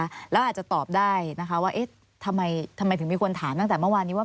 แล้วอาจจะตอบได้นะคะว่าเอ๊ะทำไมทำไมถึงมีคนถามตั้งแต่เมื่อวานนี้ว่า